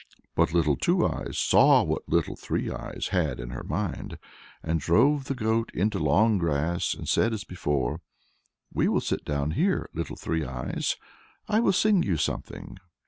But Little Two Eyes saw what Little Three Eyes had in her mind, and drove the goat into long grass, and said as before, "We will sit down here, Little Three Eyes; I will sing you something."